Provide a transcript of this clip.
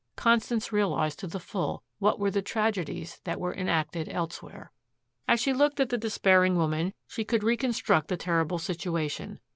Constance realized to the full what were the tragedies that were enacted elsewhere. As she looked at the despairing woman, she could reconstruct the terrible situation.